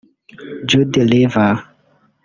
Judi Rever